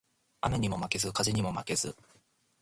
雨ニモ負ケズ、風ニモ負ケズ